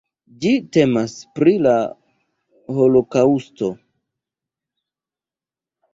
Ĝi temas pri la Holokaŭsto.